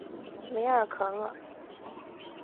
梅尔科厄。